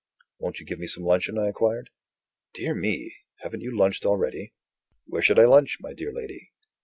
"Won't you give me some luncheon?" I inquired. "Dear me! hav'n't you lunched already?" "Where should I lunch, my dear lady?"